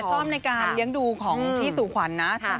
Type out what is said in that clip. ชอบในการเลี้ยงดูของพี่สู่ขวัญนะ